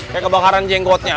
kayak kebakaran jenggotnya